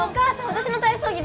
私の体操着